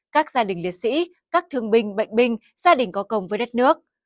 các gia đình liệt sĩ các thương binh bệnh binh gia đình có công với đất nước